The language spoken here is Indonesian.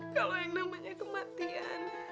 kalau yang namanya kematian